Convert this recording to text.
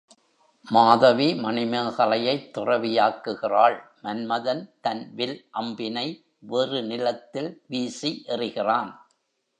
மாதவி மணிமேகலையைத் துறவியாக்குகிறாள் மன்மதன் தன் வில் அம்பினை வெறு நிலத்தில் வீசி எறிகிறான்.